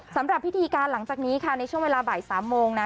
สำหรับพิธีการหลังจากนี้ค่ะในช่วงเวลาบ่าย๓โมงนะ